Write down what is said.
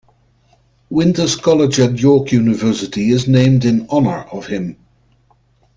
Winters College at York University is named in honour of him.